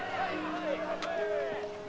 はい！